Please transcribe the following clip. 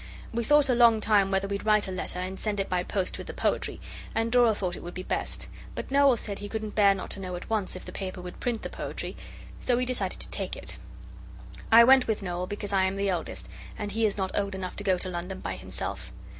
We thought a long time whether we'd write a letter and send it by post with the poetry and Dora thought it would be best. But Noel said he couldn't bear not to know at once if the paper would print the poetry, So we decided to take it. I went with Noel, because I am the eldest, and he is not old enough to go to London by himself.